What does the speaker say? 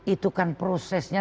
itu kan prosesnya